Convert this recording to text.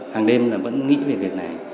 hàng đêm là vẫn nghĩ về việc này